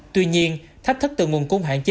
tuy nhiên thách thất từ nguồn cung hạn chế